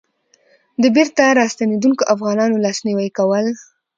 د بېرته راستنېدونکو افغانانو لاسنيوی کول.